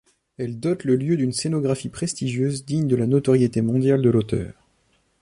Elle dote le lieu d'une scénographie prestigieuse digne de la notoriété mondiale de l'auteur.